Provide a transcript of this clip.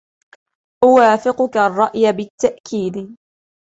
أوافقك الرأي بالتأكيد.